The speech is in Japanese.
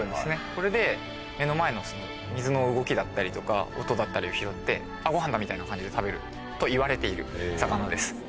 これで目の前の水の動きだったりとか音だったりを拾って「あっごはんだ」みたいな感じで食べるといわれている魚です。